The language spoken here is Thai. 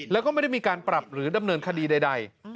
แล้วก็ไม่ได้มีการปรับหรือดำเนินคดีใด